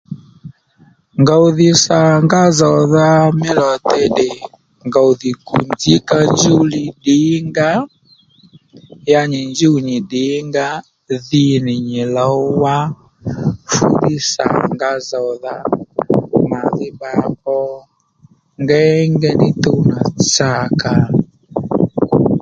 Ngòw dhi sa nga zòwdha mí lò tey tdè ngòwdhi gù nzǐ ka njúw li ddì-nga-ó ya nyì njúw nyì ddì-nga ó dhi nì nyì lòw wá fú ddiy sà nga zòw-dha mà dhí bba ó ngéyngéy nì tuw nà tsàkà